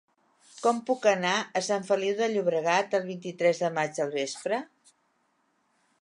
Com puc anar a Sant Feliu de Llobregat el vint-i-tres de maig al vespre?